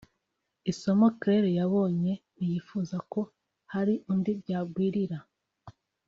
Isomo Claire yabonye ntiyifuza ko hari undi byagwirira